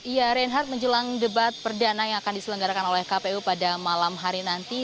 ya reinhardt menjelang debat perdana yang akan diselenggarakan oleh kpu pada malam hari nanti